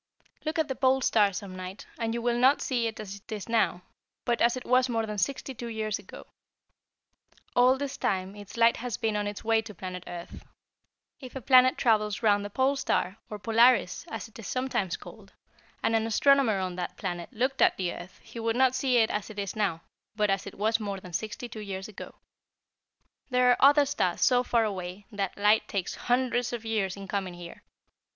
"Look at the Pole Star some night, and you will not see it as it is now, but as it was more than sixty two years ago. All this time its light has been on its way to Planet Earth. If a planet travels around the Pole Star, or Polaris, as it is sometimes called, and an astronomer on that planet looked at the earth he would not see it as it is now, but as it was more than sixty two years ago. There are other stars so far away that light takes hundreds of years in coming here.